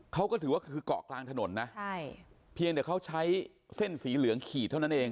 เขาก็ถือว่าคือเกาะกลางถนนนะใช่เพียงแต่เขาใช้เส้นสีเหลืองขีดเท่านั้นเอง